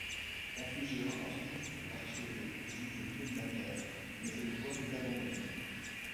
On suggéra ensuite que l'archevêque juge lui-même l'affaire, mais cette voie fut abandonnée.